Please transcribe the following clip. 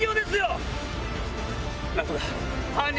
何とか。